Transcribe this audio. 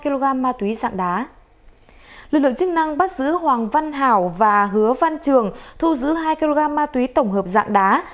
lực lượng chức năng bắt giữ hoàng văn hảo và hứa văn trường thu giữ hai kg ma túy tổng hợp dạng đá